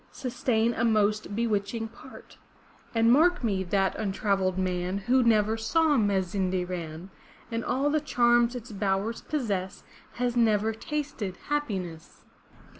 Sustain a most bewitching part. And mark me, that untravelled man Who never saw Ma zin' de ran. And all the charms its bowers possess Has never tasted happiness!'